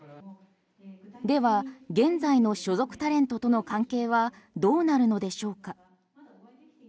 では、現在の所属タレントとの関係はどうなるのでしょうか？